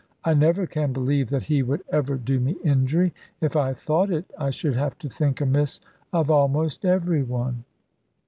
I never can believe that he would ever do me injury. If I thought it, I should have to think amiss of almost every one."